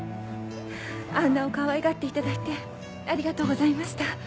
杏奈をかわいがっていただいてありがとうございました。